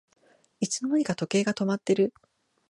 いつの間にか時計が止まってる